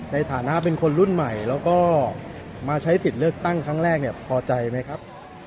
ในฐานะเป็นคนรุ่นใหม่แล้วก็มาใช้สิทธิ์เลือกตั้งครั้งแรกเนี่ยพอใจไหมครับ